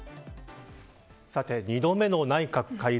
２度目の内閣改造